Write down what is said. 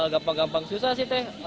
gampang gampang susah sih teh